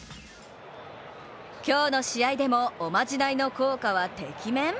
今日の試合でもおまじないの効果はてきめん。